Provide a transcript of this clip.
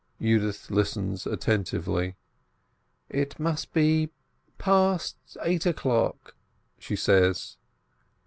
Yudith listens attentively. "It must be past eight o'clock," she says.